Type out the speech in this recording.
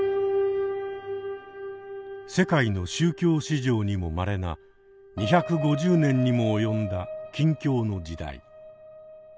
世界の宗教史上にもまれな２５０年にも及んだ禁教の時代。